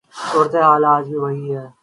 صورت حال آج بھی وہی ہے۔